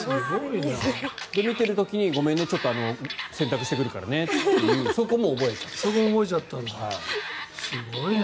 見ている時にごめんね、ちょっと洗濯してくるからねっていうそこも覚えちゃうんだ。